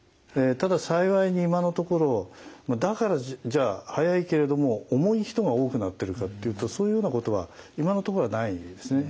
ただ幸いに今のところだからじゃあ速いけれども重い人が多くなってるかっていうとそういうようなことは今のところはないですね。